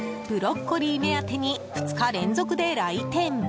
ブロッコリー目当てに２日連続で来店。